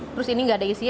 terus ini enggak ada isinya